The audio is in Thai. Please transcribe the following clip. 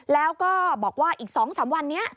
แล้วก็บอกว่าอีก๒๓วันนี้